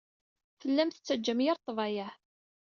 Tellam tettajjam yir ḍḍbayeɛ.